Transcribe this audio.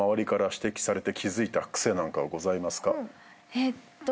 えっと